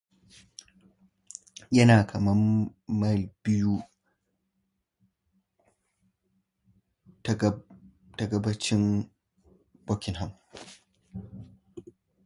It is located about two miles east of Buckingham.